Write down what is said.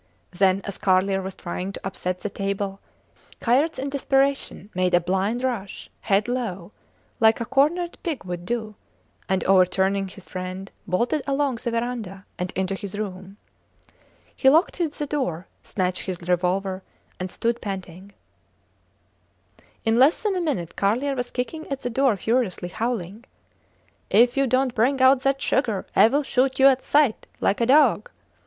Then, as Carlier was trying to upset the table, Kayerts in desperation made a blind rush, head low, like a cornered pig would do, and over turning his friend, bolted along the verandah, and into his room. He locked the door, snatched his revolver, and stood panting. In less than a minute Carlier was kicking at the door furiously, howling, If you dont bring out that sugar, I will shoot you at sight, like a dog.